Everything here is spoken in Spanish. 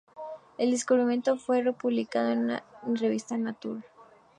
El descubrimiento fue publicado en la revista Nature.